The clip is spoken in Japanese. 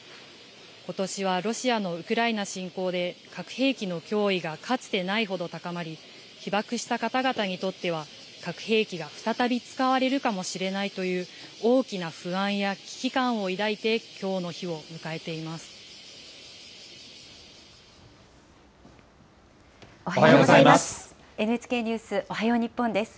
ことしはロシアのウクライナ侵攻で、核兵器の脅威がかつてないほど高まり、被爆した方々にとっては、核兵器が再び使われるかもしれないという、大きな不安や危機感を抱いてきょうの日を迎えています。